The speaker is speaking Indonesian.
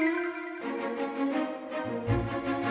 silakan pak komar